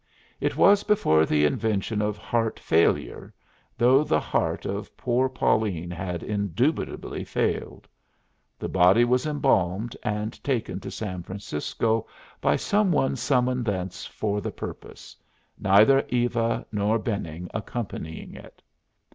It was before the invention of heart failure, though the heart of poor Pauline had indubitably failed. The body was embalmed and taken to San Francisco by some one summoned thence for the purpose, neither Eva nor Benning accompanying it.